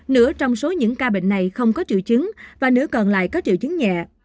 nửa trong số những ca bệnh này không có triệu chứng và nữ còn lại có triệu chứng nhẹ